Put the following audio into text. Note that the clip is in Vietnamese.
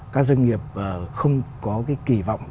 các doanh nghiệp không có cái kỳ vọng